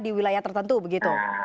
di wilayah tertentu begitu